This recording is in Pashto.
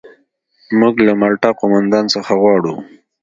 موږ له مالټا قوماندان څخه غواړو.